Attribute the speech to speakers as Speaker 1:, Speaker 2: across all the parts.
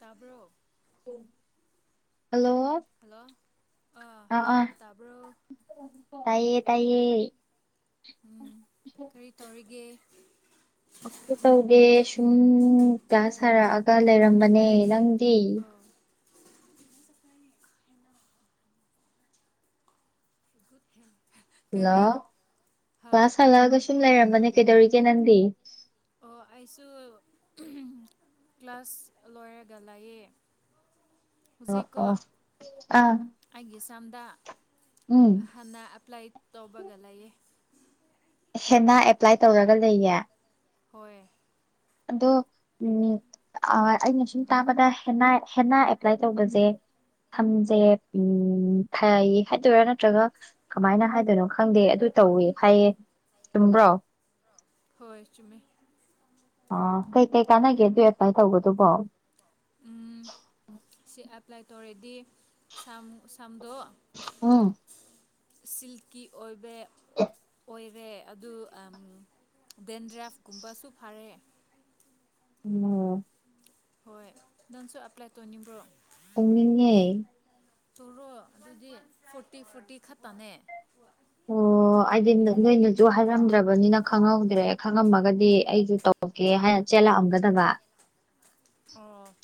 Speaker 1: ꯇꯥꯕ꯭ꯔꯣ
Speaker 2: hello
Speaker 1: hello ꯑꯥ hello ꯇꯥꯕ꯭ꯔꯣ
Speaker 2: ꯇꯥꯏꯌꯦ ꯇꯥꯏꯌꯦ
Speaker 1: ꯎꯝ ꯀꯔꯤ ꯇꯧꯔꯤꯒꯦ
Speaker 2: ꯇꯧꯗꯦ ꯁꯨꯝ ꯀ꯭ꯂꯥꯁ ꯁꯥꯔꯛꯑꯒ ꯂꯩꯔꯝꯕꯅꯦ ꯅꯪꯗꯤ
Speaker 1: ꯑꯣ ꯒꯦ
Speaker 2: ꯍꯜꯂꯣ ꯄ ꯍꯜꯂꯛꯑꯒ ꯁꯨꯝ ꯂꯩꯔꯝꯕꯅꯦ ꯀꯩꯗꯧꯔꯤꯒꯦ ꯅꯪꯗꯤ
Speaker 1: ꯑꯣ ꯑꯩꯁꯨ ꯀ꯭ꯂꯥꯁ ꯂꯣꯏꯔꯒ ꯂꯑꯌꯦ
Speaker 2: ꯑꯣ ꯑꯣ ꯑꯥ
Speaker 1: ꯝꯗ
Speaker 2: ꯎꯝ
Speaker 1: ꯍꯥꯟꯟꯅ ꯑꯦꯄ꯭ꯂꯥꯏ ꯇꯧꯕꯒ ꯂꯩꯌꯦ
Speaker 2: ꯍꯦꯟꯅ ꯑꯦꯄ꯭ꯂꯥꯏ ꯇꯧꯔꯒ ꯂꯩꯌꯦ
Speaker 1: ꯍꯣꯏ
Speaker 2: ꯑꯗꯣ ꯑꯩꯅ ꯁꯨꯝ ꯇꯥꯕꯗ ꯍꯦꯟꯅ ꯍꯦꯟꯅ ꯑꯦꯄ꯭ꯂꯥꯏ ꯇꯧꯕꯁꯦ ꯊꯝꯁꯦ ꯎ ꯐꯩ ꯍꯥꯏꯗꯣꯏꯔꯥ ꯅꯠꯇ꯭ꯔꯒ ꯀꯃꯥꯏꯅ ꯍꯥꯏꯗꯣꯏꯅꯣ ꯈꯪꯗꯦ ꯑꯗꯨ ꯇꯧꯋ ꯍꯥꯏꯌꯦ ꯆꯨꯝꯕ꯭ꯔꯣ
Speaker 1: ꯍꯣꯏ ꯆꯃꯦ
Speaker 2: ꯑꯥ ꯀꯩꯀꯩ ꯀꯥꯟꯅꯒꯦ ꯑꯗꯨ ꯑꯦꯄ꯭ꯂꯥꯏ ꯇꯧꯕꯗꯨꯕꯣ
Speaker 1: ꯎ ꯁꯤ ꯑꯦꯄ꯭ꯂꯥꯏ ꯇꯧꯔꯦꯗꯤꯝ ꯁꯝꯗꯣ
Speaker 2: ꯑꯥ
Speaker 1: ꯁꯤꯜꯀꯤ ꯑꯣꯏꯕ
Speaker 2: [unintelligible]
Speaker 1: ꯑꯣꯏꯔꯦ ꯑꯗꯨ ꯑꯝ ꯗꯦꯟꯗ꯭ꯔꯥꯏꯐꯀꯨꯝꯕꯁꯨ ꯐꯥꯔꯦ꯫
Speaker 2: ꯎꯝ꯫
Speaker 1: ꯍꯣꯏ ꯅꯪꯁꯨ ꯑꯦꯄ꯭ꯂꯥꯏ ꯇꯧꯅꯤꯡꯕ꯭ꯔꯣ꯫
Speaker 2: ꯄꯨꯨꯡꯅꯤꯡꯑꯦ꯫
Speaker 1: ꯇꯧꯔꯣ ꯑꯗꯨꯗꯤ ꯐꯣꯔꯇꯤ-ꯐꯣꯔꯇꯤ ꯈꯛꯇꯅꯦ꯫
Speaker 2: ꯑꯣ ꯑꯩꯗꯤ ꯅꯣꯏꯅꯁꯨ ꯍꯥꯏꯔꯝꯗ꯭ꯔꯕꯅꯤꯅ ꯈꯪꯍꯧꯗ꯭ꯔꯦ ꯈꯪꯉꯝꯑꯒꯗꯤ ꯑꯩꯁꯨ ꯇꯧꯒꯦ ꯍꯥꯏꯔ ꯆꯦꯜꯂꯥꯛꯑꯝꯒꯗꯕ꯫
Speaker 1: ꯑꯣ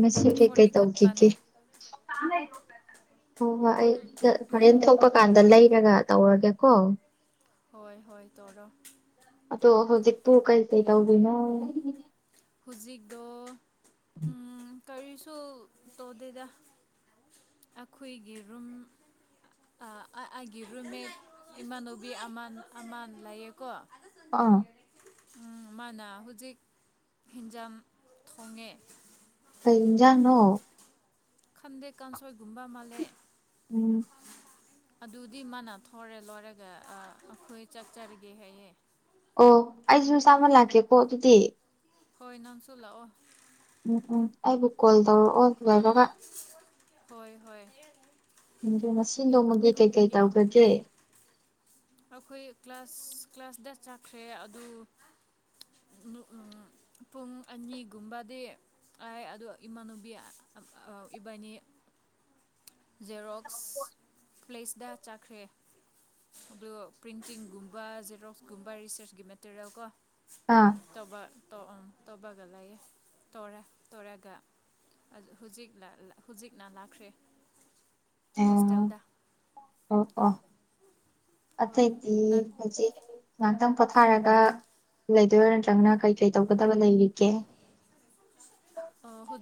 Speaker 2: ꯃꯁꯤ ꯀꯩ ꯀꯩ
Speaker 1: ꯐꯣꯔꯇꯤ
Speaker 2: ꯇꯧꯈꯤꯒꯦ꯫
Speaker 1: ꯈꯛꯇꯅꯦ
Speaker 2: ꯍꯣꯏ ꯍꯣꯏ ꯑꯩ ꯍꯣꯔꯦꯟ ꯊꯣꯛꯄ ꯀꯥꯟꯗ ꯂꯩꯔꯒ ꯇꯧꯔꯒꯦꯀꯣ꯫
Speaker 1: ꯍꯣꯏ ꯍꯣꯏ ꯇꯧꯔꯣ꯫
Speaker 2: ꯑꯗꯣ ꯍꯧꯖꯤꯛꯄꯨ ꯀꯩꯀꯩ ꯇꯧꯕꯤꯅꯣ꯫
Speaker 1: ꯍꯧꯖꯤꯛꯗꫭ
Speaker 2: ꯎꯝ꯫
Speaker 1: ꯀꯔꯤꯁꯨ ꯇꯧꯗꯦꯗ ꯑꯈꯣꯏꯒꯤ ꯔꯨꯝ ꯑ ꯑ ꯑꯩꯒꯤ ꯔꯨꯝꯃꯦꯠ ꯏꯃꯥꯟꯅꯨꯕꯤ ꯑꯃ ꯑꯃꯥꯟ ꯂꯩꯌꯦꯀꯣ꯫
Speaker 2: ꯑꯥ꯫
Speaker 1: ꯝ ꯃꯥꯅ ꯍꯧꯖꯤꯛ ꯍꯦꯟꯖꯥꯡ ꯊꯣꯡꯉꯦ꯫
Speaker 2: ꯀꯩ ꯍꯤꯟꯖꯥꯡꯅꯣ꯫
Speaker 1: ꯈꯟꯗꯦ ꯀꯥꯟꯁꯣꯏꯒꯨꯝꯕ ꯃꯥꯜꯂꯦ꯫
Speaker 2: ꯎꯝ꯫
Speaker 1: ꯑꯗꯨꯗꯤ ꯃꯥꯅ ꯊꯣꯔꯦ ꯂꯣꯏꯔꯒ ꯑ ꯑꯩꯈꯣꯏ ꯆꯥꯛ ꯆꯔꯒꯦ ꯍꯥꯏꯌꯦ꯫
Speaker 2: ꯑꯣ ꯑꯩꯁꯨ ꯆꯥꯕ ꯂꯥꯛꯀꯦꯀꯣ ꯑꯗꯨꯗꯤ꯫
Speaker 1: ꯍꯣꯏ ꯅꯪꯁꯨ ꯂꯥꯛꯑꯣ꯫
Speaker 2: ꯎꯝ ꯎꯝ ꯑꯩꯕꯨ ꯀꯣꯜ ꯇꯧꯔꯛꯑꯣ ꯚꯥꯏꯕꯒ꯫
Speaker 1: ꯍꯣꯏ ꯍꯣꯏ꯫
Speaker 2: ꯎ ꯉꯁꯤ ꯅꯣꯡꯃꯒꯤ ꯀꯩꯀꯩ
Speaker 1: ꯇꯧꯕꯤꯒꯦ
Speaker 2: ꯇꯧꯈ꯭ꯔꯒꯦ꯫
Speaker 1: ꯑꯩꯈꯣꯏ ꯀ꯭ꯂꯥꯁ ꯀ꯭ꯂꯥꯁꯗ ꯆꯥꯈ꯭ꯔꯦ ꯑꯗꯨ ꯝ ꯄꯨꯡ ꯑꯅꯤꯒꯨꯝꯕꯗꯤ ꯍꯥꯏ ꯑꯗꯨ ꯏꯃꯅꯨꯕꯤ ꯏꯕꯥꯅꯤ ꯖꯦꯔꯣꯛꯁ ꯄ꯭ꯂꯦꯁꯗ ꯆꯥꯈ꯭ꯔꯦ꯫ ꯑꯗꯨ ꯄ꯭ꯔꯤꯟꯇꯤꯡꯒꯨꯝꯕ ꯖꯦꯔꯣꯛꯁꯀꯨꯝꯕ ꯔꯤꯁꯔꯁꯀꯤ ꯃꯦꯇꯔꯤꯌꯦꯜ ꯀꯣ꯫
Speaker 2: ꯑꯥ
Speaker 1: ꯇꯧꯕꯥ ꯇꫭ ꯑ ꯇꫭꯕꯥꯒ ꯂꯩꯑꯌꯦ ꯇꯣꯔꯦ ꯇꯣꯔꯒ ꯍꯨꯖꯤꯛ ꯂꯥ ꯂ ꯍꯧꯖꯤꯛꯅ ꯂꯥꯛꯈ꯭ꯔꯦ꯫
Speaker 2: ꯑꯣ
Speaker 1: ꯍꯣꯁꯇꯦꯜꯗ꯫
Speaker 2: ꯑꯣ ꯑꯣ
Speaker 1: ꯍꯣꯏ
Speaker 2: ꯑꯇꯩꯗꯤ
Speaker 1: ꯅꯪ
Speaker 2: ꯍꯧꯖꯤꯛ ꯉꯥꯇꯪ ꯄꯣꯊꯥꯔꯒ ꯂꯩꯗꯣꯏꯔꯥ ꯅꯇ꯭ꯔꯒꯅ ꯀꯩ ꯀꯩ ꯇꯧꯒꯗꯕ ꯂꯩꯔꯤꯒꯦ꯫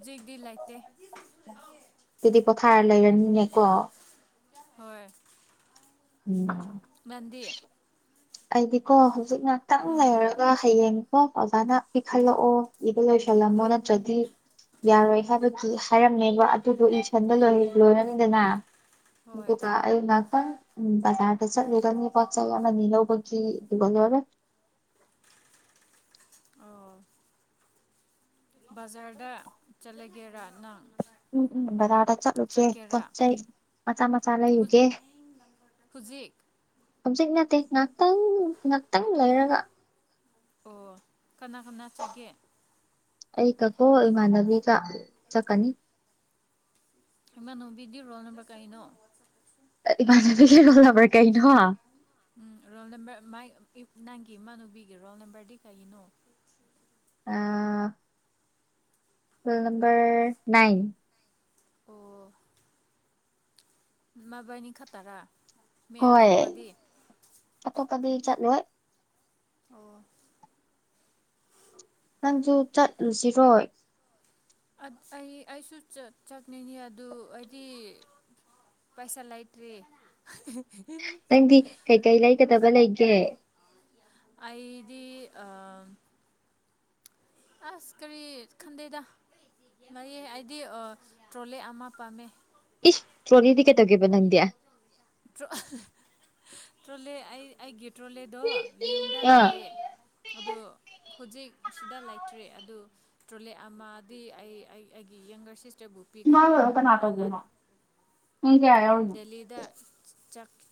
Speaker 1: ꯖꯤꯛꯗꯤ ꯂꯩꯇꯦ꯫
Speaker 2: ꯑꯗꯨꯗꯤ ꯄꯣꯊꯥꯔ ꯂꯩꯔꯅꯤꯅꯦꯀꯣ꯫
Speaker 1: ꯍꯣꯏ꯫
Speaker 2: ꯎꯝ꯫
Speaker 1: ꯅꯟꯗꯤ꯫
Speaker 2: ꯑꯩꯗꯤꯀꯣ ꯍꯧꯖꯤꯛ ꯉꯍꯥꯛꯇꯪ ꯂꯩꯔꯒ ꯍꯌꯦꯡ ꯑꯣ ꯑꯣꯖꯥꯅ ꯄꯤꯈꯠꯂꯛꯑꯣ ꯏꯕ ꯂꯣꯏꯁꯜꯂꯝꯃꯣ ꯅꯠꯇ꯭ꯔꯗꯤ ꯌꯥꯔꯣꯏ ꯍꯥꯏꯕꯗꯤ ꯍꯥꯏꯔꯝꯃꯦꯕ ꯑꯗꯨꯗꯣ ꯏꯁꯁꯟꯗ ꯂꯣꯏ ꯂꯣꯏꯔꯅꯤꯗꯅ
Speaker 1: ꯍꯣꯏ
Speaker 2: ꯑꯗꯨꯒ ꯑꯩ ꯉꯇꯪ ꯎꯝ ꯕꯖꯥꯔꯗ ꯆꯠꯂꯒ ꯄꫭꯠꯆꯩ ꯑꯃ ꯅꯤ ꯂꯧ [unintelligible]
Speaker 1: ꯑꫭ꯫ ꯕꯖꯥꯔꯗ ꯆꯠꯂꯒꯦꯔꯥ ꯅꯪ꯫
Speaker 2: ꯎꯝ ꯎꯝ ꯕꯖꯥꯗ ꯆꯠꯂꯨꯁꯦ ꯄꯣꯠ
Speaker 1: ꯆꯠꯀꯦꯔꯥ
Speaker 2: ꯆꯩ ꯃꯆꯥ ꯃꯆꯥ ꯂꯩꯌꯨꯒꯦ
Speaker 1: ꯍꯧꯖꯤꯦꯛ
Speaker 2: ꯍꯧꯖꯤꯛ ꯅꯠꯇꯦ ꯉꯍꯥꯛꯇꯪ ꯉꯍꯥꯛꯇꯪ ꯂꯩꯔꯒ
Speaker 1: ꯑꯣ ꯀꯅꯥ ꯀꯅꯥ ꯆꯒꯦ
Speaker 2: ꯑꯩ ꯀꯛꯀꯣ ꯏꯃꯥꯟꯅꯕꯤꯒ ꯆꯠꯀꯅꯤ
Speaker 1: ꯏꯃꯅꯣꯕꯤꯗꯤ ꯔꯣꯜ ꯅꯝꯕ꯭ꯔ ꯀꯩꯅꯣ
Speaker 2: ꯏꯃꯣ ꯂꯝꯕ꯭ꯔ ꯀꯩꯅꯩꯅꯣ
Speaker 1: ꯎꯝ ꯔꯣꯜ ꯅꯝꯕꯔ ꯅꯪꯒꯤ ꯏꯃꯥꯟꯅꯨꯕꯤꯒꯤ ꯔꯣꯜ ꯅꯝꯕꯔꯗꯤ ꯀꯩꯒꯤꯅꯣ
Speaker 2: ꯑ ꯐ ꯅꯝꯕꯔ ꯅꯥꯏꯟ
Speaker 1: ꯑꯣ ꯃꯕꯥꯏꯅꯤ ꯈꯛꯇꯔꯥ ꯃ ꯑꯇꯣꯞꯄꯗꯤ
Speaker 2: ꯀꯕꯤ ꯆꯠꯂꯣꯏ
Speaker 1: ꯑꯣ
Speaker 2: ꯁꯨ ꯆꯠꯂꯨꯁꯤꯔꯣꯏ
Speaker 1: ꯑꯩ ꯑꯩꯁꯨ ꯆꯠꯅꯤꯡꯉꯤ ꯑꯗꯨ ꯍꯥꯏꯗꯤ ꯄꯩꯁꯥ ꯂꯩꯥꯏꯇ꯭ꯔꯤ
Speaker 2: ꯅꯪꯗꯤ ꯀꯩꯀꯩ ꯂꯩꯒꯗꯕ ꯂꯩꯒꯦ
Speaker 1: ꯑꯩꯗꯤ ꯑ ꯑꯁ ꯀꯔꯤ ꯈꯗꯗ ꯃꯌꯦ ꯑꯩꯗꯤ ꯇ꯭ꯔꯣꯂꯦ ꯑꯃ ꯄꯥꯝꯃꯦ
Speaker 2: ꯏꯁ ꯇ꯭ꯔꯣꯔꯤꯗꯤ ꯀꯩꯗꯧꯒꯦꯕ ꯅꯪꯗꯤꯌꯥ
Speaker 1: ꯇ꯭ꯔꯣꯂꯒ ꯒꯤ ꯄꯦꯇ꯭ꯔꯣꯂꯦꯗꯣ ꯌꯨꯝꯗ
Speaker 2: ꯑꯥ
Speaker 1: ꯂꯩꯥꯛꯑꯦ ꯑ ꯍꯧꯖꯤꯛ ꯁꯤꯗ ꯂꯩꯇ꯭ꯔꯦ ꯑꯗꯨ ꯇ꯭ꯔꯣꯂꯦ ꯑꯃꯗꯤ ꯑꯩ ꯑꯩꯒꯤ ꯌꯪꯒꯔꯁꯤꯁ ꯆꯕꯨ ꯄꯤꯈ꯭ꯔꯦ ꯃꯥꯅ
Speaker 2: ꯌꯦꯪ ꯀꯦꯌꯥꯎꯅꯤ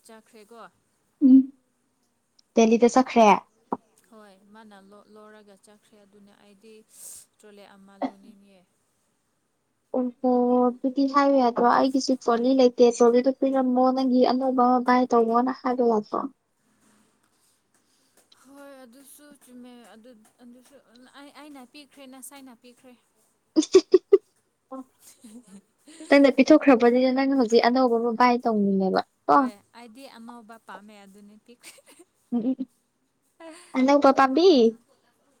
Speaker 1: ꯆꯥꯈ꯭ꯔꯦꯀꯣ
Speaker 2: ꯗꯦꯂꯤꯗ ꯆꯠꯈ꯭ꯔꯦ
Speaker 1: ꯍꯣꯏ ꯃꯥꯅ ꯂꯧꯔꯒ ꯆꯠꯈ꯭ꯔꯦ ꯑꯗꯨꯅ ꯑꯩꯗꯤ ꯇ꯭ꯔꯣꯂꯦ ꯑꯃ ꯂꯣꯟꯅꯤꯡꯑꯦ
Speaker 2: ꯑꯣꯍꯣ ꯀꯦꯁꯣ ꯑꯗꯨꯗꯣ ꯄꯤꯔꯝꯃꯣ ꯅꯪꯒꯤ ꯑꯅꯧꯕ ꯑꯃ ꯕꯥꯏ ꯇꯧꯕꯃꯣꯅ ꯍꯥꯏꯕ ꯂꯥꯛꯄ꯭ꯔꯣ
Speaker 1: ꯍꯣꯏ ꯑꯗꯨꯁꯨ ꯆꯨꯝꯃꯦ ꯑꯗꯨꯁꯨ ꯑꯩꯅ ꯄꯤꯈ꯭ꯔꯦ ꯅꯁꯥꯏꯅ ꯄꯤꯈ꯭ꯔꯦ
Speaker 2: ꯅꯪꯅ ꯄꯤꯊꯣꯛꯈ꯭ꯔꯕꯅꯤꯅ ꯅꯪꯅ ꯍꯧꯖꯤꯛ ꯑꯅꯧꯕ ꯃꯣꯕꯥꯏꯜ
Speaker 1: ꯍꯣꯏ ꯑꯩꯗꯤ ꯑꯅꯧꯕ ꯄꯥꯝꯃꯦ ꯑꯗꯨꯅꯤ ꯄꯤꯈ꯭ꯔꯦ
Speaker 2: ꯎꯝ ꯑꯗꯄꯥꯣ ꯄꯥꯕꯤ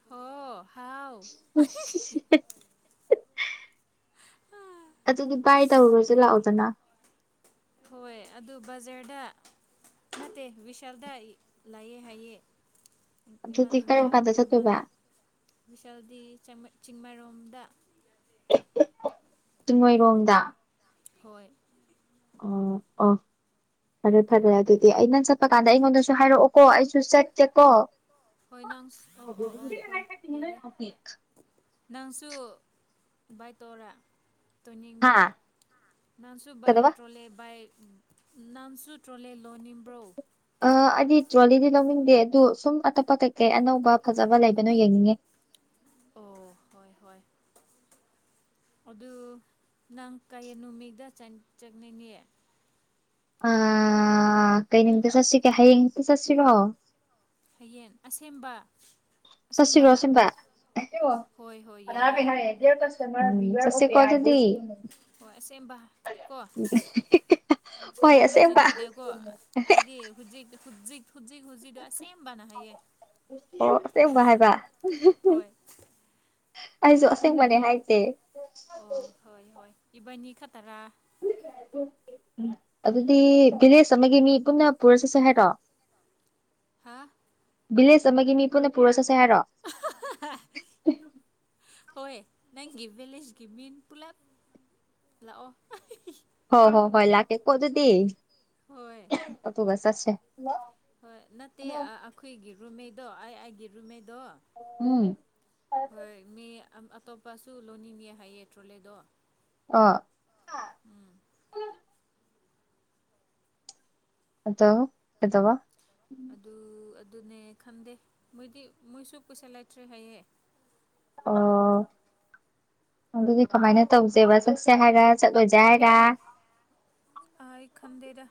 Speaker 1: ꯍꯣ ꯍꯥꯎ
Speaker 2: ꯎ ꯑꯗꯨꯗꯤ ꯕꯥꯏꯥꯏ ꯇꯧꯔꯨꯔꯁꯨꯦ ꯂꯥꯛꯑꯣꯗꯅ
Speaker 1: ꯍꯣꯏ ꯑꯗꯨ ꯕꯖꯔꯗ ꯅꯠꯇꯦ ꯕꯤꯁꯥꯜꯗ ꯂꯥꯏꯑꯦ ꯍꯥꯏꯑꯦ
Speaker 2: ꯑꯗꯨꯗꯤ
Speaker 1: ꯏꯃꯥꯟꯅꯨꯕꯤ
Speaker 2: ꯀꯔꯝ ꯀꯥꯟꯗ ꯆꯠꯇꯣꯏꯕ
Speaker 1: ꯑꯃꯅ ꯃꯤꯁꯦꯜꯗꯤ ꯆ ꯆꯤꯡꯃꯔꯣꯝꯗ
Speaker 2: ꯆꯤꯡꯃꯩꯔꯣꯡꯝꯗ
Speaker 1: ꯍꯣꯏ
Speaker 2: ꯑ ꯑꯥ ꯐꯔꯦ ꯐꯔꯦ ꯑꯗꯨꯗꯤ ꯑ ꯅꯪ ꯆꯠꯄ ꯀꯥꯟꯗ ꯑꯩꯉꯣꯟꯗꯁꯨ ꯍꯥꯏꯔꯛꯑꯣꯀꯣ ꯑꯩꯁꯨ ꯆꯠꯀꯦꯀꯣ
Speaker 1: ꯍꯣꯏ ꯅꯪ ꯑꯣ ꯑꯣ ꯑꯣ ꯍꯣꯏ ꯌꯥꯔꯦ ꯅꯪꯁꯨ ꯕꯥꯏꯛ ꯇꯧꯔ
Speaker 2: ꯍꯥ
Speaker 1: ꯇꯣꯏꯅꯤꯡꯕ꯭ꯔꯣ ꯅꯪꯁꯨ
Speaker 2: ꯀꯩꯗꯧꯕ
Speaker 1: ꯇ꯭ꯔꯣꯂꯦ ꯕꯥꯏꯛ ꯅꯅꯥꯝꯁꯨ ꯇ꯭ꯔꯣꯂꯦꯟ ꯂꯣꯟꯅꯤꯡꯕ꯭ꯔꯣ
Speaker 2: ꯑ ꯑꯩꯗꯤ ꯇ꯭ꯔꯣꯂꯤꯗꯤ ꯂꯧꯅꯤꯡꯗꯦ ꯑꯗꯨ ꯁꯨꯝ ꯑꯇꯣꯞꯄ ꯀꯩꯀꯩ ꯑꯅꯧꯕ ꯐꯖꯕ ꯂꯩꯕꯅꯣ ꯌꯦꯡꯅꯤꯡꯉꯦ
Speaker 1: ꯑꯣ ꯍꯣꯏ ꯍꯣꯏ ꯑꯗꯨ ꯅꯪ ꯀꯥꯏ ꯅꯨ ꯃꯤꯗꯥ ꯆꯪ ꯆꯅꯤꯅꯦꯦ
Speaker 2: ꯑ ꯀꯩ ꯅꯨꯇ ꯆꯠꯁꯤꯒꯦ ꯍꯌꯦꯡꯛꯇ ꯆꯠꯁꯤꯔꯣ
Speaker 1: ꯍꯌꯦꯡ ꯑꯁꯦꯡꯕ
Speaker 2: ꯁ꯭ꯔꯤ ꯀꯣ
Speaker 1: ꯑꯁꯦꯡꯕꯔꯥ ꯍꯣꯏ ꯍꯣꯏ ꯌꯥꯏꯌꯦ
Speaker 2: ꯁꯤ꯭ꯝꯄꯕꯤꯍꯔꯦꯦ ꯎ ꯆ ꯁꯤ ꯀꯗꯤꯗꯤꯤ
Speaker 1: ꯍꯣꯏ ꯑꯁꯦꯡꯕ ꯀꯣ
Speaker 2: ꯍꯣꯏ
Speaker 1: ꯅꯪ ꯃꯆꯤꯟ
Speaker 2: ꯑꯁꯦꯡꯕ
Speaker 1: ꯊꯤꯗꯦꯀꯣ ꯑꯩꯗꯤ ꯍꯧꯖꯤꯛ ꯍꯧꯖꯤꯛ ꯈꯖꯤ ꯈꯨꯖꯤꯗ ꯁ ꯁꯦꯝꯝꯕꯅ ꯍꯥꯏꯌꯦꯦ
Speaker 2: ꯑꯣ ꯇ ꯋꯥꯥꯏꯕ
Speaker 1: ꯍꯣꯏ
Speaker 2: ꯑꯩꯁꯨ ꯑꯁꯦꯡꯕꯅꯦ ꯍꯥꯏꯇꯦ
Speaker 1: ꯑꯣ ꯍꯣꯏ ꯍꯣꯏ ꯏꯕꯥꯅꯤ ꯈꯇꯔꯥ
Speaker 2: ꯎ ꯑꯗꯨꯗꯤ ꯚꯤꯂꯦꯖ ꯑꯃꯒꯤ ꯃꯤ ꯄꯨꯟꯅ ꯄꯨꯔ ꯆꯠꯁꯦ ꯍꯥꯏꯔꯣ
Speaker 1: ꯍꯥ
Speaker 2: ꯚꯤꯂꯦꯖ ꯑꯃꯒꯤ ꯃꯤ ꯄꯨꯟꯅ ꯄꯨꯔ ꯆꯠꯁꯦ ꯍꯥꯏꯔꯣ
Speaker 1: ꯍꯣꯏ ꯅꯪꯒꯤ ꯚꯦꯂꯦꯖꯀꯤ ꯃꯤꯟ ꯄꯨꯂꯞ ꯂꯥꯛꯑꯣ
Speaker 2: ꯍꯣ ꯍꯣ ꯍꯣꯏ ꯂꯥꯛꯀꯦ ꯀꯣ ꯑꯗꯨꯗꯤꯤ
Speaker 1: ꯍꯣꯏ
Speaker 2: ꯑꯊꯨꯕꯁꯠꯦ
Speaker 1: ꯍꯣꯏ ꯅꯠꯇꯦ ꯑꯩꯈꯣꯏꯒꯤ ꯔꯨꯝꯃꯤꯩꯗꯣ ꯑꯩ ꯑꯩꯒꯤ ꯔꯨꯝꯃꯦ
Speaker 2: ꯎꯝ
Speaker 1: ꯍꯣꯏ ꯃꯤ ꯑꯇꯣꯞꯄꯁꯨ ꯂꯣꯟꯅꯤꯡꯉ ꯍꯥꯏꯌꯦ ꯇ꯭ꯔꯣꯂꯦꯗꯣ
Speaker 2: ꯑꯥ
Speaker 1: ꯎꯝ
Speaker 2: ꯑꯠꯇ ꯀꯗꯕ
Speaker 1: ꯑꯗꯨ ꯑꯗꯨꯅꯦ ꯈꯟꯗꯦ ꯃꯣꯏꯗꯤ ꯃꯣꯏꯁꯨ ꯄꯩꯁꯥ ꯂꯩꯇ꯭ꯔꯦ ꯍꯥꯏꯌꯦꯦ
Speaker 2: ꯑ ꯑꯗꯨꯗꯤ ꯀꯃꯥꯏꯅ ꯇꯧꯁꯦꯕ ꯆꯠꯁꯦ ꯍꯥꯏꯔ ꯆꯠꯂꯣꯏꯁꯦ ꯍꯥꯏꯔ
Speaker 1: ꯑ ꯈꯟꯗꯦꯗ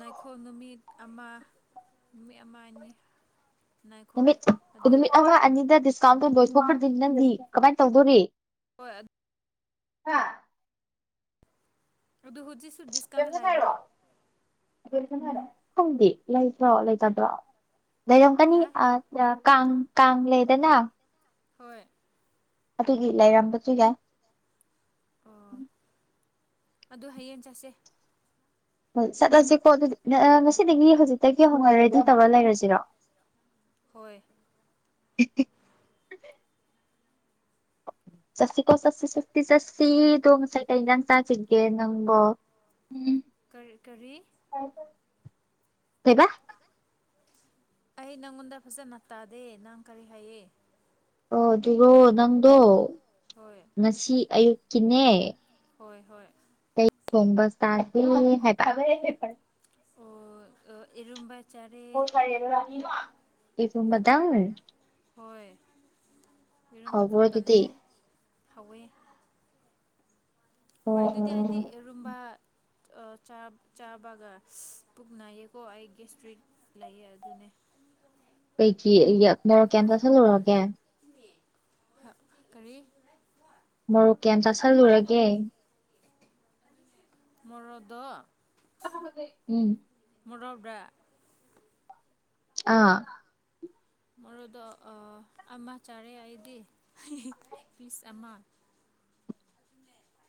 Speaker 1: ꯅꯥꯏꯈꯣꯜ ꯅꯨꯃꯤꯠ ꯑꯃ ꯅꯨꯃꯤꯠ ꯑꯃ ꯑꯅꯤ ꯉꯥꯏꯈꯣ
Speaker 2: ꯅꯨ
Speaker 1: ꯑꯗꯨ
Speaker 2: ꯅꯨꯃꯤꯠ ꯑꯃ ꯑꯅꯤꯗ ꯗꯤꯁꯀꯥꯎꯟ ꯇꯣꯏꯗꯤ ꯅꯪ ꯀꯃꯥꯏꯅ ꯇꯧꯗꯣꯔꯤ
Speaker 1: ꯍꯣꯏ
Speaker 2: ꯍꯥ
Speaker 1: ꯑꯗꯨ ꯍꯧꯖꯤꯛꯁꯨ ꯗꯤꯁꯀꯥꯟꯅ ꯂꯥꯏꯕ꯭ꯔꯣ
Speaker 2: ꯈꯪꯗꯤ ꯂꯩꯇ꯭ꯔꯣ ꯂꯩꯇꯕ꯭ꯔꯣ ꯂꯩꯔꯝꯒꯅꯤ
Speaker 1: ꯍꯥ
Speaker 2: ꯑ ꯀ ꯀꯃ ꯂꯩꯗꯅ
Speaker 1: ꯍꯣꯏ
Speaker 2: ꯑꯗꯨꯒꯤ ꯂꯩꯔꯝꯕꯁꯨ ꯌꯥꯏ
Speaker 1: ꯑꯣ ꯑꯗꯨ ꯍꯌꯦꯡ ꯆꯠꯁꯦ
Speaker 2: ꯍꯣꯏ ꯆꯠꯂꯁꯤꯀꯣ ꯑꯗꯨꯗꯤ ꯉꯁꯤꯗꯒꯤ ꯍꯧꯖꯤꯛꯇꯒꯤ ꯍꯧꯅꯔꯦꯗ ꯇꯧꯔ ꯂꯩꯔꯁꯤꯔꯣ
Speaker 1: ꯍꯣꯏ
Speaker 2: ꯍ ꯆꯁꯤ ꯀꯣ ꯆꯁꯤ ꯁꯁꯤ ꯆꯁꯤ
Speaker 1: ꯍꯣꯏ
Speaker 2: ꯗꯣꯉꯁꯥꯏ ꯇ ꯏ ꯅꯪ ꯆꯁꯤꯦ ꯅꯪꯝꯕꯣ
Speaker 1: ꯀꯔꯤ ꯀꯔꯤ
Speaker 2: ꯀꯕꯥ
Speaker 1: ꯑꯩ ꯅꯪꯉꯣꯟꯗ ꯐꯖꯅ ꯇꯥꯗꯦ ꯅꯪ ꯀꯔꯤ ꯍꯥꯏꯌꯦ
Speaker 2: ꯑꯣ ꯑꯗꯨꯔꯣ ꯅꯪꯗꯣ
Speaker 1: ꯍꯣꯏ
Speaker 2: ꯉꯁꯤ ꯑꯌꯨꯛꯀꯤꯅꯦ
Speaker 1: ꯍꯣꯏ ꯍꯣꯏ
Speaker 2: ꯐꯕꯁ ꯍꯥꯏ
Speaker 1: ꯑꯣ ꯏꯔꯕ
Speaker 2: ꯁꯨꯕꯗꯥ
Speaker 1: ꯌꯔꯨꯝꯕ
Speaker 2: ꯍꯥꯎꯕ꯭ꯔꯣ
Speaker 1: ꯀꯛꯇꯅꯦ
Speaker 2: ꯑꯗꯨꯗꯤ
Speaker 1: ꯍꯧꯋꯤ
Speaker 2: ꯑꯣ
Speaker 1: ꯍꯣꯏ ꯑꯗꯨꯗꯤ ꯑꯩꯗꯤ ꯔꯨꯝꯕ ꯆꯥꯕꯒ ꯄꯨꯛꯅꯩꯌꯦꯀꯣ ꯑꯩ ꯒꯦꯁꯇ꯭ꯔꯤꯠ ꯂꯩꯌꯦ ꯑꯗꯨꯅꯦ ꯎ
Speaker 2: ꯀꯦꯟꯇ ꯆꯂꯔꯒꯦ
Speaker 1: ꯀꯔꯤ
Speaker 2: ꯃꯣꯔꯣꯛ ꯀꯌꯥꯝ ꯆꯥꯥꯁꯜꯂꯨꯔꯒꯦ
Speaker 1: ꯃꯣꯔꯗ
Speaker 2: ꯎꯝ
Speaker 1: ꯃꯣꯔꯣꯛꯗ
Speaker 2: ꯑꯥ
Speaker 1: ꯃꯣꯗ ꯑꯃ ꯆꯥꯔꯦ ꯑꯩꯗꯤ ꯄꯤꯁ ꯑꯃ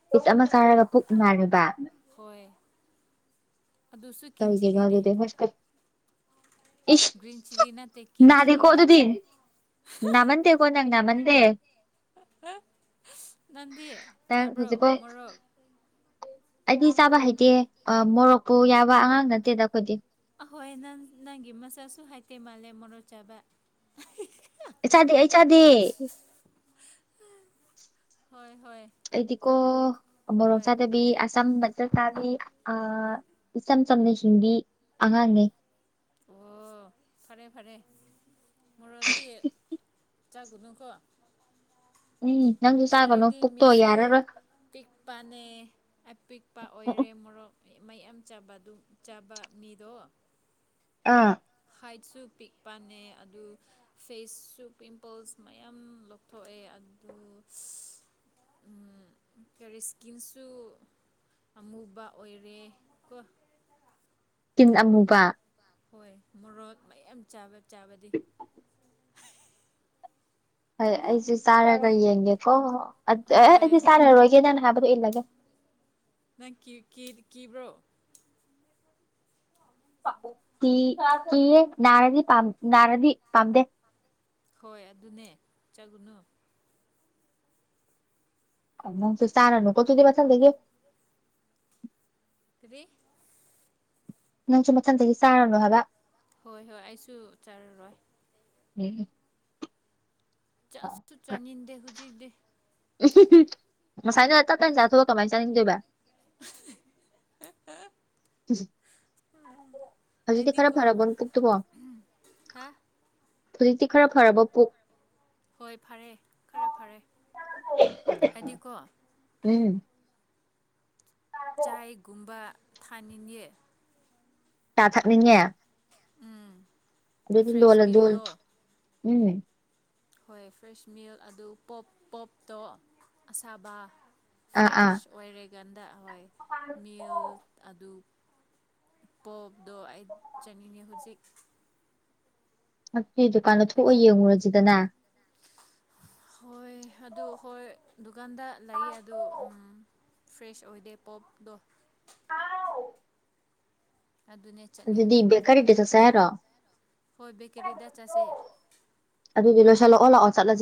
Speaker 2: ꯄꯤꯠ ꯑꯃ ꯆꯥꯔꯒ ꯄꯨꯛ ꯃꯔꯤꯕ
Speaker 1: ꯍꯦ
Speaker 2: ꯇꯒꯤ ꯌꯦꯗꯦ ꯐꯁ ꯏ
Speaker 1: ꯒ꯭ꯔꯤꯟ ꯆꯤꯂꯤ ꯅꯠꯇꯦ ꯀꯤꯟ
Speaker 2: ꯅꯅꯥꯗꯤ ꯀꯣ
Speaker 1: ꯆꯤꯂꯤꯅꯦ
Speaker 2: ꯑꯗꯨꯗꯤ ꯅꯅꯥꯃꯟꯗꯦ ꯀꯅ ꯆꯪ ꯃꯗꯦ
Speaker 1: ꯅꯟꯗꯤ
Speaker 2: ꯅꯪ
Speaker 1: ꯆꯥꯕ꯭ꯔꯣ
Speaker 2: ꯍꯧꯖꯤꯛꯐꯥꯎ
Speaker 1: ꯃꯣꯔꯣꯛ
Speaker 2: ꯑꯩꯗꯤ ꯆꯥꯕ ꯍꯩꯇꯦ ꯃꯣꯔꯣꯛꯄꯨ ꯌꯥꯕ ꯑꯉꯥꯡ ꯅꯠꯇꯦꯗ ꯑꯩꯈꯣꯏꯗꯤ
Speaker 1: ꯍꯣꯏ ꯅꯪ ꯅꯪꯒꯤ ꯃꯆꯥꯁꯨ ꯍꯥꯏꯇꯦ ꯃꯥꯜꯂꯦ ꯃꯣꯔꯣ ꯆꯥꯕ
Speaker 2: ꯏ ꯆꯥꯗꯦ ꯑꯩ ꯆꯥꯗꯦ
Speaker 1: ꯍꯣꯏ ꯍꯣꯏ
Speaker 2: ꯑꯦꯗꯤꯀꯣ ꯃ
Speaker 1: ꯍꯣꯏ
Speaker 2: ꯔꯝꯁꯥꯗꯕꯤ ꯑꯁꯝ ꯃ ꯑ ꯏꯁꯝ ꯁꯝꯗ ꯍꯗꯤ ꯑꯉꯥꯡꯦ
Speaker 1: ꯑꯣ ꯐꯔꯦ ꯐꯔꯦ ꯃꯗꯤ ꯆꯒꯨꯗꯪꯀꯣ
Speaker 2: ꯎꯝ ꯅꯪꯁꯨ ꯆꯥꯕꯅꯣ ꯄꯨꯛꯇꯣꯛ ꯌꯥꯔꯔ
Speaker 1: ꯄꯅꯦ ꯑꯄꯤꯛꯄ
Speaker 2: ꯎꯝ
Speaker 1: ꯑꯣꯏꯔꯦ ꯃꯣꯔꯣꯛ ꯃꯩ ꯌꯥꯝ ꯆꯥꯕ ꯑꯗꯨꯝ ꯆꯥꯕ ꯃꯤꯗꯣ
Speaker 2: ꯑꯥ
Speaker 1: ꯍꯥꯏꯠꯁꯨ ꯄꯤꯛ ꯄꯅ ꯑꯗꯨ ꯐꯦꯁꯁꯨ ꯄꯤꯝꯄꯜꯁ ꯃꯌꯥꯝ ꯂꯧꯊꯣꯛꯑꯦ ꯑꯗꯨ ꯀꯔꯦ ꯏꯁ꯭ꯀꯤꯟꯁꯨ ꯑꯃꯨꯕ ꯑꯣꯏꯔꯦ ꯀꯣ
Speaker 2: ꯤꯟ ꯑꯃꯨꯕ
Speaker 1: ꯍꯣꯏ ꯃꯣꯔꯣꯛ ꯃꯌꯥꯝ ꯆꯥꯕ ꯆꯥꯕꯗꯤ
Speaker 2: ꯍꯣꯏ ꯑꯩꯁꯨꯦ ꯆꯥꯔꯒ ꯌꯦꯡꯒꯦꯀꯣ ꯑꯦ
Speaker 1: ꯍꯣꯏ
Speaker 2: ꯑꯩꯗꯤ ꯆꯥꯅꯔꯣꯏꯒꯦꯗꯅ ꯍꯥꯕ ꯑꯦꯂꯒꯦ
Speaker 1: ꯅꯪ ꯀꯕ꯭ꯔꯣ
Speaker 2: ꯇꯤ ꯇꯤ ꯅꯔꯗꯤ ꯄꯝ ꯅꯔꯗꯤ ꯄꯥꯝꯗꯦ
Speaker 1: ꯍꯣꯏ ꯑꯗꯨꯅꯦ ꯆꯒꯨꯅꯨ
Speaker 2: ꯃꯪꯁ ꯁꯅꯅꯨ ꯀꯣ ꯇꯨꯗꯤꯕ ꯊꯪꯗ ꯀꯦꯣ
Speaker 1: ꯁꯤꯔꯤ
Speaker 2: ꯅꯪꯁꯨ ꯃꯊꯪꯗꯒꯤ ꯆꯥꯔꯅꯨ ꯍꯥꯏꯕ
Speaker 1: ꯍꯣꯏ ꯍꯣꯏ ꯑꯩꯁꯨ ꯆꯔꯔꯣꯏ
Speaker 2: ꯎꯝ
Speaker 1: ꯆꯥꯁꯨ ꯆꯥꯅꯤꯡꯟꯗꯦ ꯍꯧꯖꯤꯛꯇꯤ
Speaker 2: ꯃꯁꯥꯏꯅ ꯀ ꯆꯥꯊꯑ ꯀꯃꯥꯏꯅ ꯆꯥꯅꯤꯡꯗꯣꯏꯕ ꯍꯧꯖꯤꯛꯇꯤ ꯈꯔ
Speaker 1: ꯑꯩꯗꯤꯀꯣ
Speaker 2: ꯐꯔꯕ ꯄꯨꯛꯇꯨꯀꯣ
Speaker 1: ꯍꯥ
Speaker 2: ꯍꯧꯖꯤꯛꯇꯤ ꯈꯔ ꯐꯔꯕ ꯄꯨꯛ
Speaker 1: ꯍꯣꯏ ꯐꯔꯦ ꯐꯔꯦ ꯐꯔꯦ ꯍꯥꯏꯗꯤꯀꯣ
Speaker 2: ꯎꯝ
Speaker 1: ꯆꯥꯏꯒꯨꯝꯕ ꯊꯥꯅꯤꯡꯉ
Speaker 2: ꯇꯥ ꯊꯥꯛ ꯂꯉ ꯑꯗꯨꯗꯤ
Speaker 1: ꯐ꯭ꯔꯦꯁ
Speaker 2: ꯂꯣꯂ ꯗꯣ
Speaker 1: ꯃꯤꯜꯗꯣ
Speaker 2: ꯎꯝ
Speaker 1: ꯍꯣꯏ ꯐ꯭ꯔꯦꯁ ꯃꯤꯜ ꯑꯗꯨ ꯄꯣꯞ ꯄꯣꯞꯇꯣ ꯑꯁꯥꯕ
Speaker 2: ꯑꯥ ꯑꯥ
Speaker 1: ꯐ꯭ꯔꯦꯁ ꯑꯣꯏꯔꯦꯀꯥꯟꯗ ꯍꯣꯏ ꯃꯤꯜ ꯑꯗꯨ ꯄꯣꯞꯗ ꯑꯩ ꯆꯅꯤꯡꯅꯤ ꯍꯧꯖꯤꯛ
Speaker 2: ꯑꯗꯨꯒꯤ ꯗꯨꯀꯥꯟꯗ ꯊꯣꯛꯑ ꯌꯦꯡꯉꯨꯔꯁꯤꯗꯅꯦ
Speaker 1: ꯍꯣꯏ ꯑꯗꯨ ꯍꯣꯏ ꯗꯨꯀꯥꯟꯗ ꯂꯩꯌꯦ ꯑꯗꯨ ꯐ꯭ꯔꯦꯁ ꯑꯣꯏꯗꯦ ꯄꯣꯞꯇꯣ ꯑꯗꯨꯅꯦ
Speaker 2: ꯑꯗꯨꯗꯤ
Speaker 1: ꯆꯠꯅꯤꯡꯗꯦ
Speaker 2: ꯕꯦꯀꯔꯤꯗ ꯆꯠꯁꯦ ꯍꯥꯏꯔꯣ
Speaker 1: ꯍꯣꯏ ꯕꯦꯀꯔꯤꯗ ꯆꯠꯁꯦ
Speaker 2: ꯑꯗꯨ ꯂꯁꯥꯂ ꯑꯣ ꯂꯥꯛꯑꯣ ꯆꯠꯂ